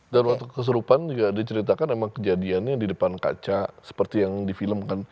dan waktu kesurupan juga diceritakan kejadiannya di depan kaca seperti yang di film kan